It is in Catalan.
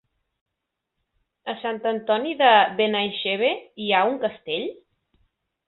A Sant Antoni de Benaixeve hi ha un castell?